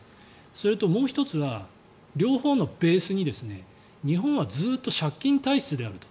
それと、もう１つは両方のベースに日本はずっと借金体質であると。